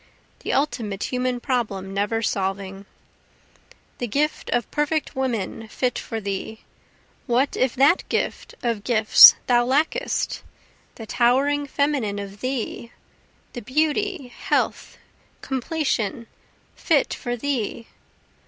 (the ultimate human problem never solving,) The gift of perfect women fit for thee what if that gift of gifts thou lackest? The towering feminine of thee? the beauty, health, completion, fit for thee?